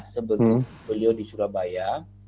sebelum beliau di surabaya